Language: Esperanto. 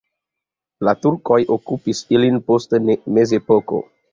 La turkoj okupis ilin post la mezepoko.